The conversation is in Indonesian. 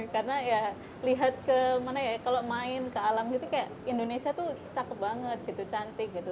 karena ya lihat ke mana ya kalau main ke alam gitu kayak indonesia tuh cakep banget gitu cantik gitu